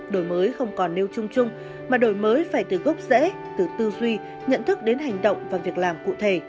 đổi mới không còn nêu chung chung mà đổi mới phải từ gốc rễ từ tư duy nhận thức đến hành động và việc làm cụ thể